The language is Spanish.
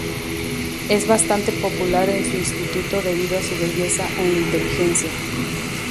Es bastante popular en su instituto debido a su belleza e inteligencia.